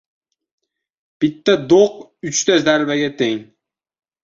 • Bitta do‘q uchta zarbaga teng.